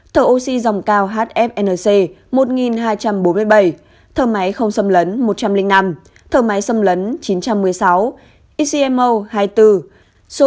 thở oxy dòng cao hfnc một hai trăm bốn mươi bảy thở máy không xâm lấn một trăm linh năm thở máy xâm lấn chín trăm một mươi sáu ecmo hai mươi bốn số bệnh nhân tử vong